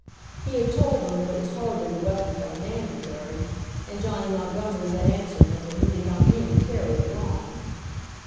He had told them that it was hardly the weapon for a man to carry, and Johnny Montgomery had answered him that he did not mean to carry it long.